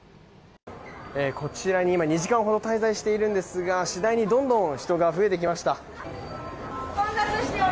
こちらに今２時間ほど滞在しているんですが次第にどんどん人が増えてきました。